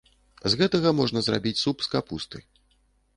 З гэтага можна зрабіць суп з капусты.